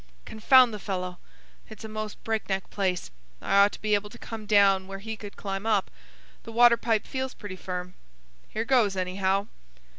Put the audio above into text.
"Confound the fellow! It's a most break neck place. I ought to be able to come down where he could climb up. The water pipe feels pretty firm. Here goes, anyhow."